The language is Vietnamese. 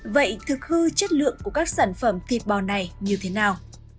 vậy thực hư chất lượng của các sản phẩm thịt bò này như thế nào